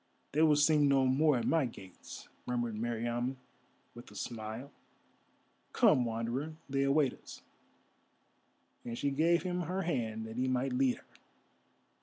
"They will sing no more at my gates," murmured Meriamun, with a smile. "Come, Wanderer; they await us," and she gave him her hand that he might lead her.